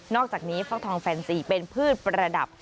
อกจากนี้ฟอกทองแฟนซีเป็นพืชประดับ